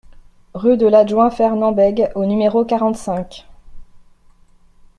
Rue de l'Adjoint Fernand Bègue au numéro quarante-cinq